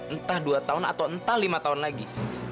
entah dua tahun atau entah lima tahun lagi